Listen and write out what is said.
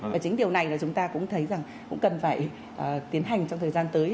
và chính điều này là chúng ta cũng thấy rằng cũng cần phải tiến hành trong thời gian tới